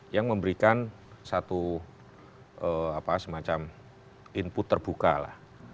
yang memberikan satu semacam input terbuka lah